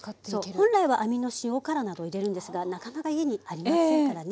本来はアミの塩辛などを入れるんですがなかなか家にありませんからね。